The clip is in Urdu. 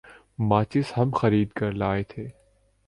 ماچس ہم خرید کر لائے تھے ۔